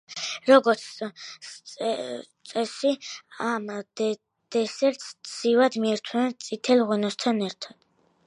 როგორც წერი ამ დესერტს, ცივად მიირთმევენ წითელ ღვინოსთან ერთად.